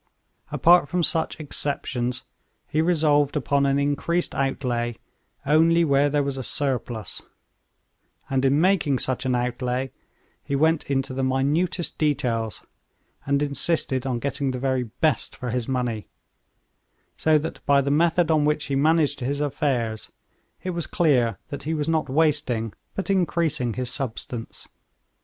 Apart from such exceptions, he resolved upon an increased outlay only where there was a surplus, and in making such an outlay he went into the minutest details, and insisted on getting the very best for his money; so that by the method on which he managed his affairs, it was clear that he was not wasting, but increasing his substance.